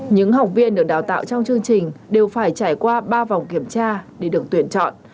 những học viên được đào tạo trong chương trình đều phải trải qua ba vòng kiểm tra để được tuyển chọn